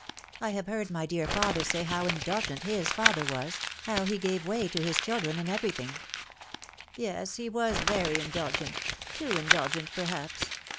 I have heard my dear father say how indulgent his father was, how he gave way to his children in everything." " Yes, he was very indulgent ; too indulgent perhaps.